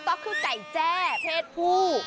ต๊อกคือใจแจ้เพศผู้